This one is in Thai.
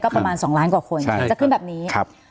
ประมาณ๒ล้านกว่าคนจะขึ้นแบบนี้ครับ